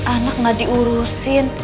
anak ga diurusin